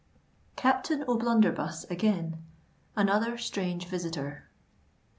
CAPTAIN O'BLUNDERBUSS AGAIN.—ANOTHER STRANGE VISITOR.